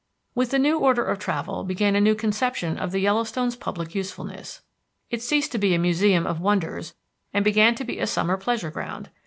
With the new order of travel began a new conception of the Yellowstone's public usefulness. It ceased to be a museum of wonders and began to be a summer pleasure ground.